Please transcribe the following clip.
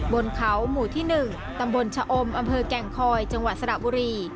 บนเขาหมู่ที่๑ตำบลชะอมอำเภอแก่งคอยจังหวัดสระบุรี